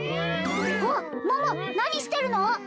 あっ桃何してるの？